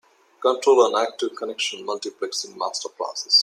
Control an active connection multiplexing master process.